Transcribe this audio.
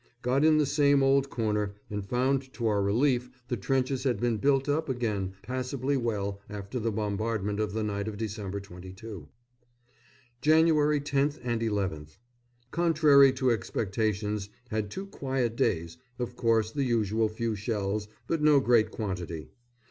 Got in the same old corner, and found to our relief the trenches had been built up again passably well after the bombardment of the night of Dec. 22. Jan. 10th and 11th. Contrary to expectations had two quiet days of course, the usual few shells, but no great quantity.